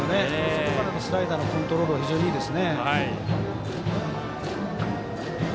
外からのスライダーのコントロールがいいです。